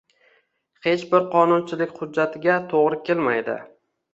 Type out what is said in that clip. hech bir qonunchilik hujjatiga to‘g‘ri kelmaydi.